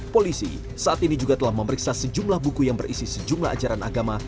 polisi saat ini juga telah memeriksa sejumlah buku yang berisi sejumlah ajaran agama